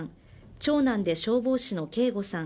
長男で消防士の啓吾さん